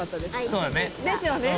そうだね。ですよね。